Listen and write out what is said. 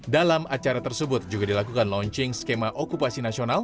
dalam acara tersebut juga dilakukan launching skema okupasi nasional